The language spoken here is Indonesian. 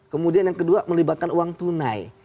kemudian yang kedua melibatkan uang tunai